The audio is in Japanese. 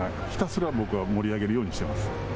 ひたすら、僕は盛り上げるようにしています。